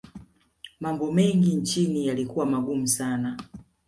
mambo mengi nchini yalikuwa magumu sana